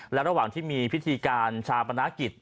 และระหว่างที่มีพิธีการชาปนากิจ